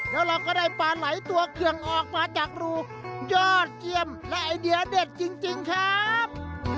แล้วเราก็ได้ปลาไหลตัวเครื่องออกมาจากรูยอดเยี่ยมและไอเดียเด็ดจริงครับ